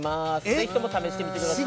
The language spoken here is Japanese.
ぜひとも試してみてください